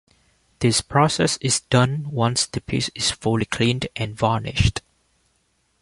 This process is done once the piece is fully cleaned and varnished.